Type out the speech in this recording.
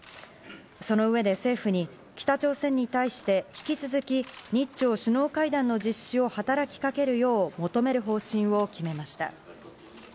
その上で、政府に北朝鮮に対して引き続き日朝首脳会談の実施を働きかけるよう求める方針を決めました。